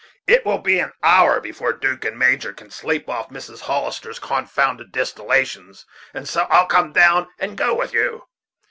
It will be an hour before 'Duke and the Major can sleep off Mrs. Hollister's confounded distillations, and so I'll come down and go with you."